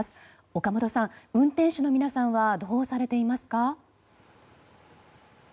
岡本さん、運転手の皆さんはどうされていますか。